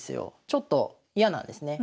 ちょっと嫌なんですね。